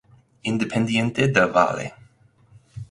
Independiente del Valle